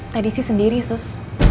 tadi sih sendiri sus